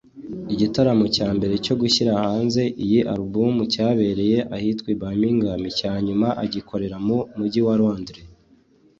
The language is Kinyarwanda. Igitaramo cya mbere cyo gushyira hanze iyi album cyabereye ahitwa Birmingham icya nyuma agikorera mu Mujyi wa Londres